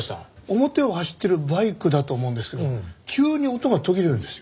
表を走ってるバイクだと思うんですけど急に音が途切れるんですよ。